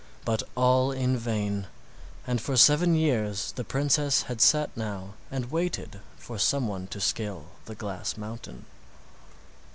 But all in vain, and for seven years the princess had sat now and waited for some one to scale the glass mountain.